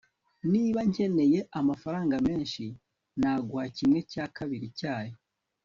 niba nkeneye amafaranga menshi, naguha kimwe cya kabiri cyayo